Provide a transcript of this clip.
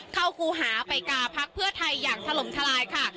ครูหาไปกาพักเพื่อไทยอย่างถล่มทลายค่ะ